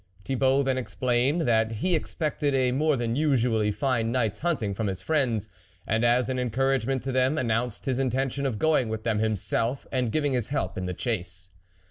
Thibault then explained that he ex pected a more than usually fine night's hunting from his friends, and as an en couragement to them, announced his in tention of going with them himself and giving his help in the chase.